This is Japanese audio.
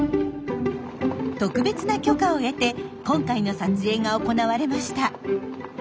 特別な許可を得て今回の撮影が行われました。